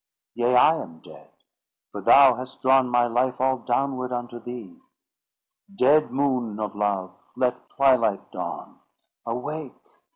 "Yea, I am dead; for thou hast drawn My life all downward unto thee. Dead moon of love! let twilight dawn: Awake!